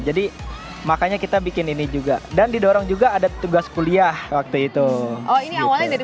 jadi makanya kita bikin ini juga dan didorong juga ada tugas kuliah waktu itu ini awalnya dari